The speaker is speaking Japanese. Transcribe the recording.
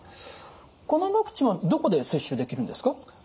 このワクチンはどこで接種できるんですか？